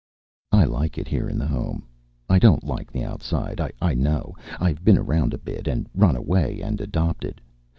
I like it here in the Home. I don't like the outside. I know. I've been around a bit, and run away, and adopted.